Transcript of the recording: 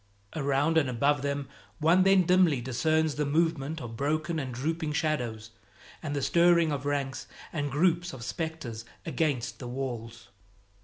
Around and above them one then dimly discerns the movement of broken and drooping shadows, and the stirring of ranks and groups of specters against the walls.